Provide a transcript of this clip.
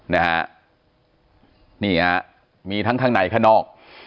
นี่มีทั้งไหนข้างนอก